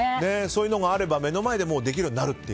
そういうのがあれば目の前でできるようになると。